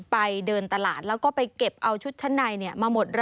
ไปเดินตลาดแล้วก็ไปเก็บเอาชุดชั้นในมาหมด